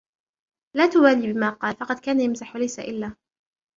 لا تبالي بما قال ، فقد كان يمزح ليس إلا.